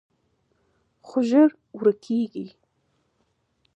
خو ژر ورکېږي